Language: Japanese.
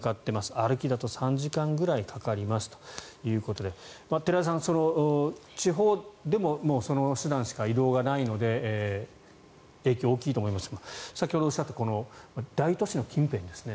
歩きだと３時間くらいかかりますということで寺田さん、地方でもその手段しか移動がないので影響は大きいと思いますが先ほどおっしゃった大都市の近辺ですね。